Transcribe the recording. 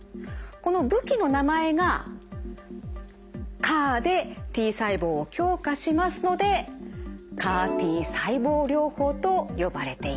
この武器の名前が「ＣＡＲ」でＴ細胞を強化しますのでＣＡＲ−Ｔ細胞療法と呼ばれています。